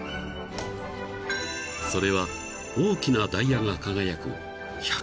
［それは大きなダイヤが輝く］［